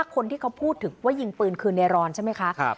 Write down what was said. คนที่เค้าพูดถึงว่ายิงปืนคือไนรอนจริงนะ